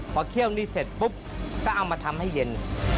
พอเคี่ยวนี้เสร็จปุ๊บก็เอามาทำให้เย็น